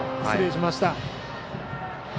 失礼しました。